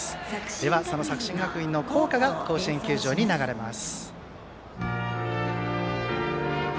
では、作新学院の校歌が甲子園球場に流れます。